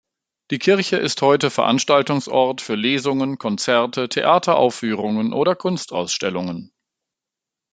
Die Kirche ist heute Veranstaltungsort für Lesungen, Konzerte, Theateraufführungen oder Kunstausstellungen.